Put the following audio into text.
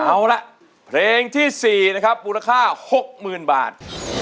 เอาละเพลงที่๔นะครับมูลค่า๖๐๐๐บาท